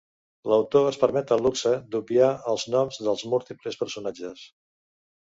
L'autor es permet el luxe d'obviar els noms dels múltiples personatges.